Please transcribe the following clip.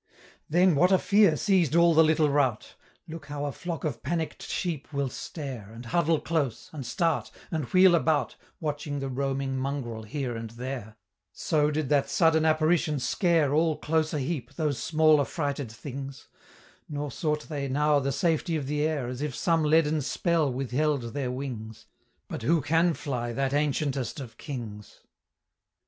Then what a fear seized all the little rout! Look how a flock of panick'd sheep will stare And huddle close and start and wheel about, Watching the roaming mongrel here and there, So did that sudden Apparition scare All close aheap those small affrighted things; Nor sought they now the safety of the air, As if some leaden spell withheld their wings; But who can fly that ancientest of Kings?